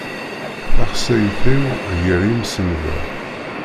Taxsayt-iw gar yimsenda.